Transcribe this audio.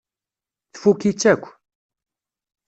Tfukk-itt akk.